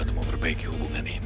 untuk memperbaiki hubungan ini